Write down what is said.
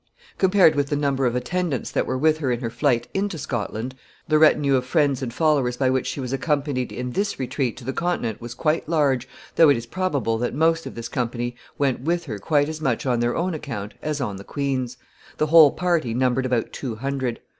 ] Compared with the number of attendants that were with her in her flight into Scotland, the retinue of friends and followers by which she was accompanied in this retreat to the Continent was quite large, though it is probable that most of this company went with her quite as much on their own account as on the queen's. The whole party numbered about two hundred.